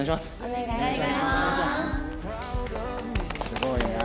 すごいな。